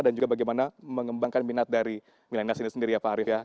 dan juga bagaimana mengembangkan minat dari milenial sendiri ya pak arief